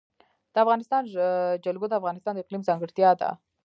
د افغانستان جلکو د افغانستان د اقلیم ځانګړتیا ده.